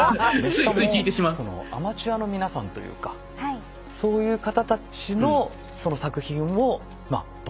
しかもそのアマチュアの皆さんというかそういう方たちのその作品をまあ募集して。